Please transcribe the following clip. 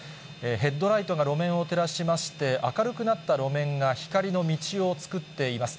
ヘッドライトが路面を照らしまして、明るくなった路面が、光の道を作っています。